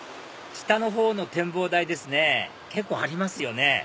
下のほうの展望台ですね結構ありますよね